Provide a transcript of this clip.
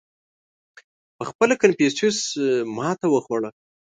• پهخپله کنفوسیوس ماتې وخوړه.